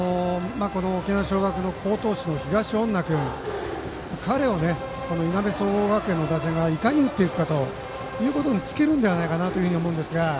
沖縄尚学の好投手の東恩納君彼を、いなべ総合学園打線がいかに打っていくかということにつきるんではないかと思いますが。